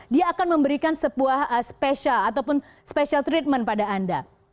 dia akan memberikan sebuah special ataupun special treatment pada anda